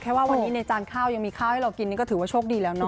ว่าวันนี้ในจานข้าวยังมีข้าวให้เรากินนี่ก็ถือว่าโชคดีแล้วเนอ